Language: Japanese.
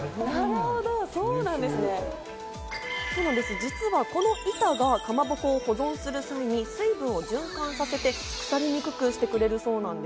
実はこの板がかまぼこを保存する際に水分を循環させて、腐りにくくしてくれるそうなんで